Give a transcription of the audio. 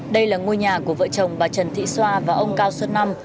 đây là ngôi nhà của vợ chồng bà trần thị xoa và ông cao xuân năm